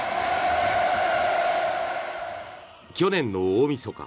去年の大みそか